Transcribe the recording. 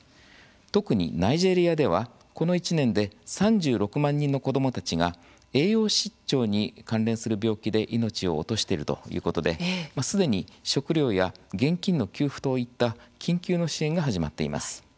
特にナイジェリアではこの１年で３６万人の子どもたちが栄養失調に関連する病気で命を落としているということですでに食料や現金の給付といった緊急の支援が始まっています。